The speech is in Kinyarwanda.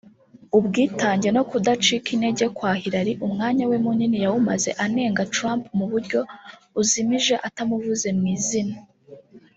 ubwitange no kudacika intege kwa Hillary umwanya we munini yawumaze anenga Trump mu buryo buzimije atamuvuze mu izina